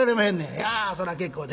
「いやそら結構で。